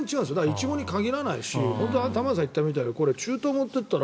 イチゴに限らないし玉川さんが言ったみたいに中東に持っていったら